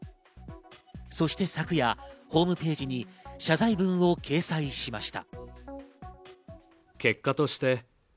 そして昨夜、ホームページに謝罪文を掲載しました。